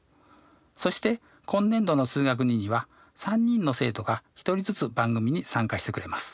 そして今年度の「数学Ⅱ」には３人の生徒が１人ずつ番組に参加してくれます。